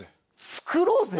作ろうぜ！